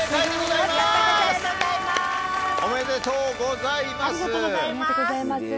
ありがとうございます。